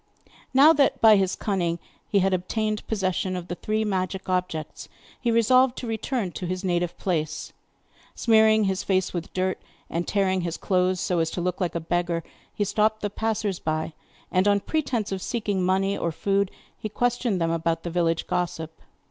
Now that by his cunning he had obtained possession of the three magic objects, he resolved to return to his native place. Smearing his face with dirt, and tearing his clothes so as to look like a beggar, he stopped the passers by and, on pretence of seeking money or food, he questioned them about the village gossip.